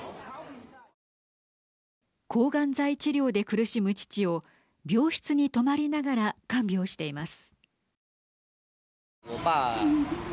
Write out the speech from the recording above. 抗ガン剤治療で苦しむ父を病室に泊まりながら看病しています。